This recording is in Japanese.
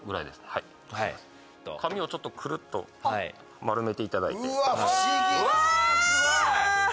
はい紙をちょっとくるっと丸めていただいてわーっ！